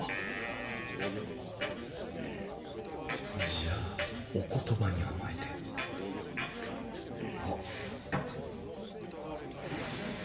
じゃあお言葉に甘えてあっ。